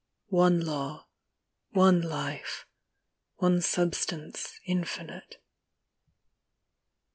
One Law, one Life, one Substance infinite.